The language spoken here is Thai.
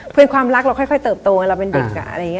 เพื่อนความรักเราค่อยเติบโตกันเราเป็นเด็กอะอะไรอย่างเงี้ย